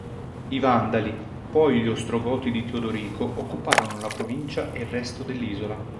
I Vandali, poi gli Ostrogoti di Teodorico occuparono la provincia e il resto dell'isola.